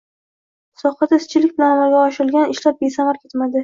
Sohada izchillik bilan amalga oshirilgan ishlar besamar ketmadi.